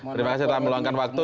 terima kasih telah meluangkan waktu